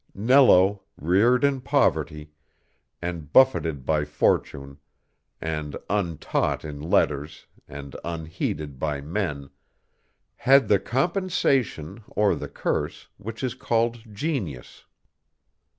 Nello, reared in poverty, and buffeted by fortune, and untaught in letters, and unheeded by men, had the compensation or the curse which is called Genius.